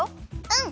うん！